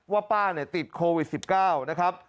ว่าป้าติดโควิด๑๙นะครับ